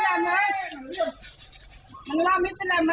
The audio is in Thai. มันราวมิดมันเร็มมาแล้วเด้อ